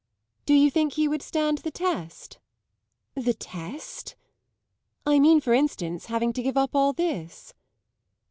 "Do you think he would stand the test?" "The test?" "I mean for instance having to give up all this."